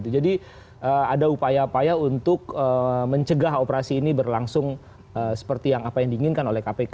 jadi ada upaya upaya untuk mencegah operasi ini berlangsung seperti yang apa yang diinginkan oleh kpk